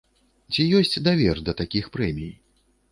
Ці ёсць давер да такіх прэмій?